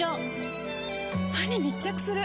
歯に密着する！